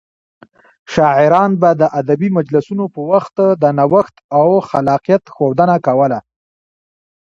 شاعران به د ادبي مجلسونو په وخت د نوښت او خلاقيت ښودنه کوله.